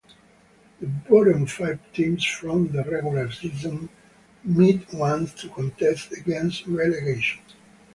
The bottom five teams from the regular season meet once to contest against relegation.